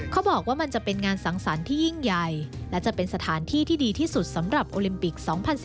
เขาบอกว่ามันจะเป็นงานสังสรรค์ที่ยิ่งใหญ่และจะเป็นสถานที่ที่ดีที่สุดสำหรับโอลิมปิก๒๐๑๙